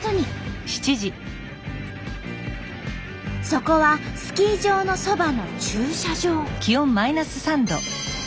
そこはスキー場のそばの駐車場。